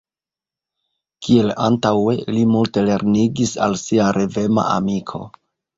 Kiel antaŭe, li multe lernigis al sia revema amiko.